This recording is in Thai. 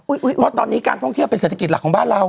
เพราะตอนนี้การท่องเที่ยวเป็นเศรษฐกิจหลักของบ้านเรา